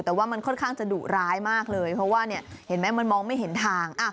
แต่ว่ามันค่อนข้างจะดุร้ายมากเลยเพราะว่าเห็นไหมมันมองไม่เห็นทาง